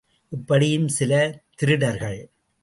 இப்படியும் சில திருடர்கள்.